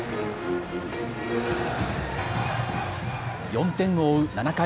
４点を追う７回。